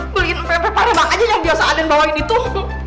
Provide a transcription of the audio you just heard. beliin paper paper yang biasa ada di bawah ini tuh